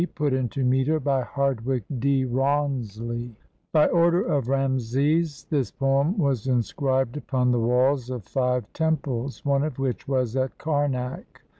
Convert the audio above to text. PUT INTO METER BY HARDWICKE D. RAWNSLEY [By order of Rameses, this poem was inscribed upon the walls of five temples, one of which was at Karnak.